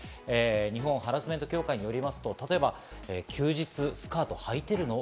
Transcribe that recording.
日本ハラスメント協会によりますと例えば、休日、スカート履いてるの？